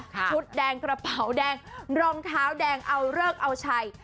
ชุดแดงกระเป๋าแดงรองเท้าแดงเอาเลิกเอาชัย